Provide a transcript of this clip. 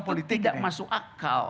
putusan itu tidak masuk akal